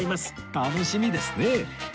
楽しみですね